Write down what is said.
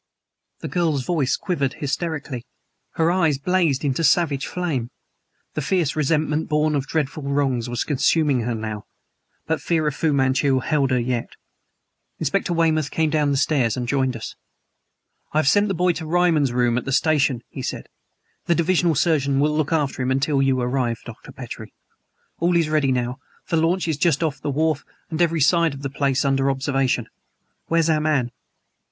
The girl's voice quivered hysterically; her eyes blazed into savage flame. The fierce resentment born of dreadful wrongs was consuming her now; but fear of Fu Manchu held her yet. Inspector Weymouth came down the stairs and joined us. "I have sent the boy to Ryman's room at the station," he said. "The divisional surgeon will look after him until you arrive, Dr. Petrie. All is ready now. The launch is just off the wharf and every side of the place under observation. Where's our man?"